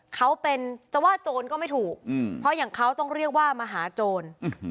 เขาเป็นจะว่าโจรก็ไม่ถูกเพราะอย่างเขาต้องเรียกว่ามหาโจร